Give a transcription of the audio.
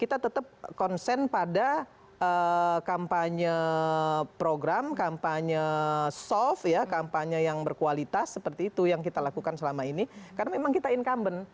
kita tetap konsen pada kampanye program kampanye soft ya kampanye yang berkualitas seperti itu yang kita lakukan selama ini karena memang kita incumbent